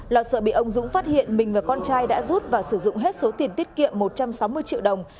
lo sợ bị ông dũng phát hiện mình và con trai đã rút và sử dụng hết số tiền tiết kiệm một trăm sáu mươi triệu đồng